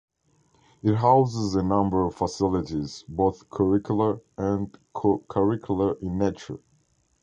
It houses a number of facilities, both curricular and co-curricular in nature.